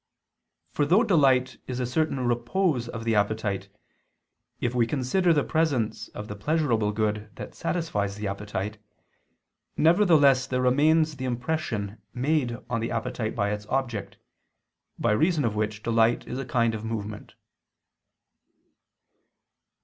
For though delight is a certain repose of the appetite, if we consider the presence of the pleasurable good that satisfies the appetite, nevertheless there remains the impression made on the appetite by its object, by reason of which delight is a kind of movement.